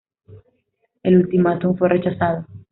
El ultimátum fue rechazado.